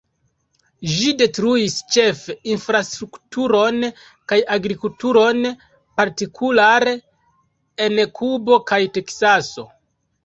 Ĝi detruis ĉefe infrastrukturon kaj agrikulturon, partikulare en Kubo kaj Teksaso.